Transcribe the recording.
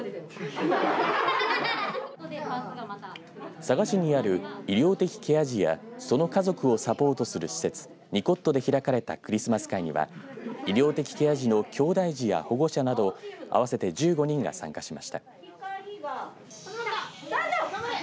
佐賀市にある医療的ケア児やその家族をサポートする施設にこっとで開かれたクリスマスには医療的ケア児のきょうだい児や保護者など合わせて１５人が参加しました。